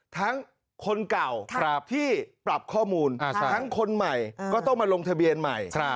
ทั้งคนเก่าที่ปรับข้อมูลทั้งคนใหม่ก็ต้องมาลงทะเบียนใหม่